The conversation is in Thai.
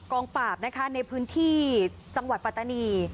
งปราบนะคะในพื้นที่จังหวัดปัตตานี